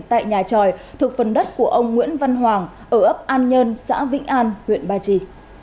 tại nhà tròi thuộc phần đất của ông nguyễn văn hoàng ở ấp an nhơn xã vĩnh an huyện ba trì